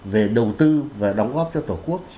về đầu tư và đóng góp cho tổ quốc